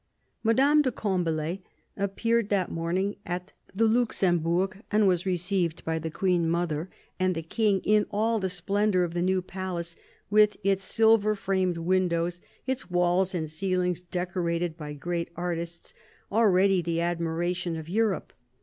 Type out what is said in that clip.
Madame de Combalet appeared that morning at the Luxembourg, and was received by the Queen mother and the King in all the splendour of the new palace, with its silver framed windows, its walls and ceilings decorated by great artists, already the admiration of Europe.